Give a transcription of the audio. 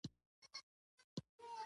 یې په اور کې وسوځي، جالبه لا دا چې.